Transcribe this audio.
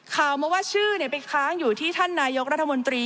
ข่าวมาว่าชื่อไปค้างอยู่ที่ท่านนายกรัฐมนตรี